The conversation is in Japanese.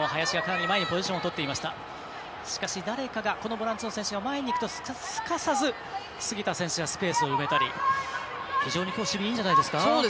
ボランチの選手が前にいくとすかさず杉田選手がスペースを埋めたり非常に守備、きょういいんじゃないですか。